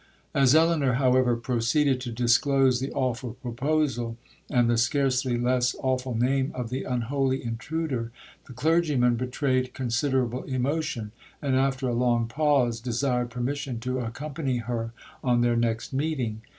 'As Elinor, however, proceeded to disclose the awful proposal, and the scarcely less awful name of the unholy intruder, the clergyman betrayed considerable emotion; and, after a long pause, desired permission to accompany her on their next meeting.